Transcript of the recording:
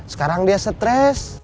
sekarang dia stres